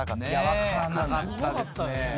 分からなかったですね。